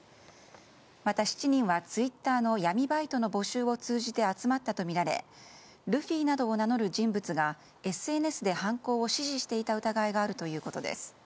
また７人はツイッターの闇バイトの募集を通じて集まったとみられルフィなどを名乗る人物がＳＮＳで犯行を指示していた疑いがあるということです。